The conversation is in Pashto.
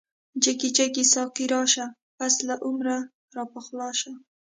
جگی جگی ساقی راشه، پس له عمره را پخلاشه